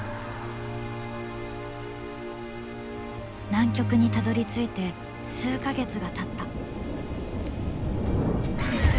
南極にたどりついて数か月がたった。